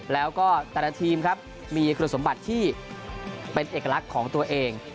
แล้วก็แต่ละทีมครับมีคุณสมบัติที่เป็นเอกลักษณ์ของตัวเอง